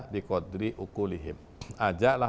dikodri ukulihim ajaklah